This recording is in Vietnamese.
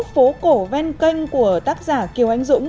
phố cổ ven kênh của tác giả kiều anh dũng